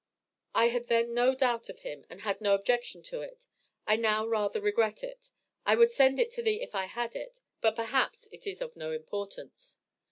I had then no doubt of him, and had no objection to it. I now rather regret it. I would send it to thee if I had it, but perhaps it is of no importance.